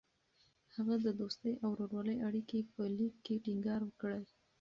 هغه د دوستۍ او ورورولۍ اړیکې په لیک کې ټینګار کړې.